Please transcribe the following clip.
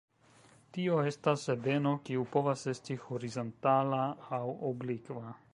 Tio estas ebeno, kiu povas esti horizontala aŭ oblikva.